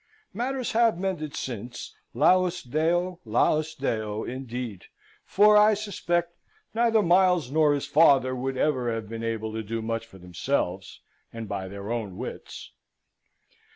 Matters have mended since, laus Deo laus Deo, indeed! for I suspect neither Miles nor his father would ever have been able to do much for themselves, and by their own wits.